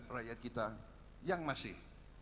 rakyat kita yang masif